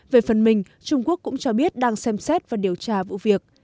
về phần mình trung quốc cũng cho biết đang xem xét và điều tra vụ việc